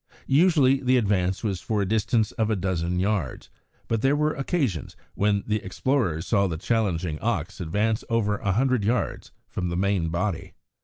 Usually the advance was for a distance of a dozen yards, but there were occasions when the explorers saw the challenging ox advance over a hundred yards from the main body.